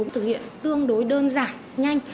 thực hiện tương đối đơn giản nhanh